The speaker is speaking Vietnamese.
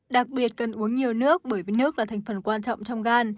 đặc biệt cần uống nhiều nước bởi vì nước là thành phần quan trọng trong gan